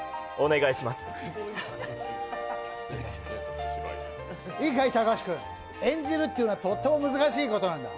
いいかい、高橋君、演じるっていうのはとっても難しいことなんだ。